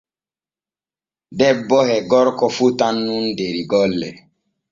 Debbo e gorko fotan nun der golle.